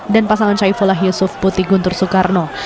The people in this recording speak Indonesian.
dan pasangan syai fulah yusuf putih guntur soekarno